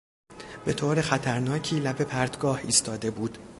به طور خطرناکی لب پرتگاه ایستاده بود.